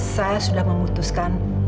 saya sudah memutuskan